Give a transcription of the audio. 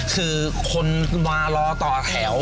คือคนมารอต่อแถว